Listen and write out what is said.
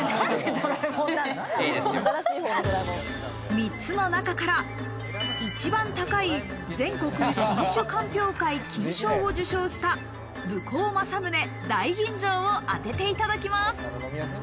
３つの中から、一番高い、全国新酒鑑評会金賞を受賞した「武甲正宗大吟醸」を当てていただきます。